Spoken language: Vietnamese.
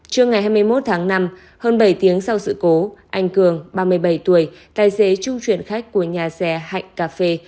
trưa ngày hai mươi một tháng năm hơn bảy tiếng sau sự cố anh cường ba mươi bảy tuổi tài xế trung chuyển khách của nhà xe hạnh cà phê